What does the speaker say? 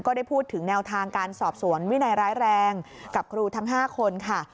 ได้พูดถึงแนวทางการสอบสวนวินัยร้ายแรงกับครูทั้ง๕คนค่ะ